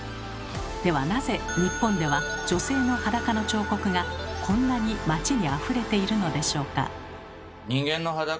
ではなぜ日本では女性の裸の彫刻がこんなに街にあふれているのでしょうか？